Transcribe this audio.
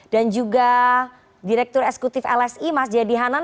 dan juga direktur esekutif lsi mas jayadi hanan